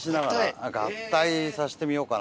合体さしてみようかな。